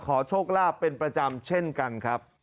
โชคลาภเป็นประจำเช่นกันครับ